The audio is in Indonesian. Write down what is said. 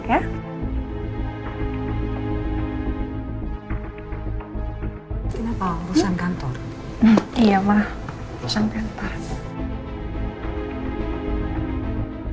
kenapa urusan kantor iya mah